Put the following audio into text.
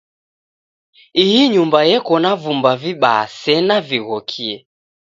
Ihi nyumba yeko na vumba vibaa sena vighokie.